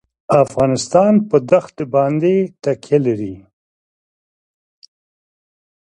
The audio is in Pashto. افغانستان په دښتې باندې تکیه لري.